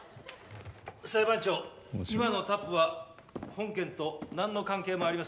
裁判長今のタップは本件と何の関係もありません。